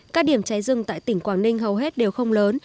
các điểm cháy rừng tại tỉnh quảng ninh hầu hết đều không lớn